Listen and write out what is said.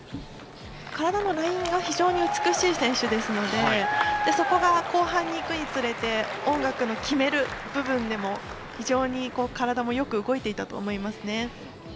体のラインが非常に美しい選手ですのでそこが後半にいくにつれて音楽の決める部分でも非常に、体もよく動いていたと思いますね。